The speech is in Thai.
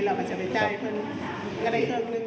แล้วก็นี่